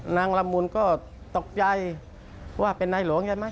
นางละมุลก็ตกใจว่าเป็นในหลวงยังไหม